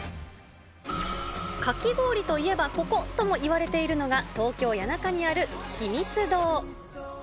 かき氷といえばここ、ともいわれているのが、東京・谷中にあるひみつ堂。